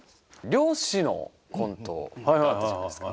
漁師のコントあったじゃないですか。